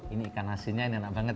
ini ikan asinnya ini enak banget